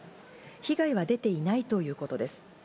被害は出ていないということです。